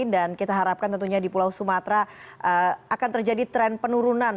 dan kita harapkan tentunya di pulau sumatera akan terjadi tren penurunan